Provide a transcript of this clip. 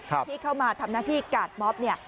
ที่เข้ามาทำหน้าที่กาดม็อบเนี่ย